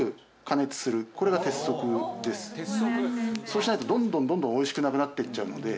そうしないとどんどんどんどん美味しくなくなっていっちゃうので。